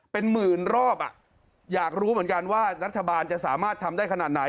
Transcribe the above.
เป็นหมื่นรอบอ่ะอยากรู้เหมือนกันว่ารัฐบาลจะสามารถทำได้ขนาดไหน